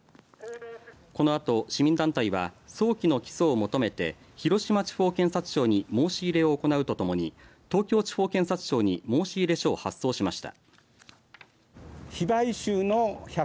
このあと市民団体は早期の起訴を求めて広島地方検察庁に申し入れを行うとともに東京地方検察庁に申し入れ書を発送しました。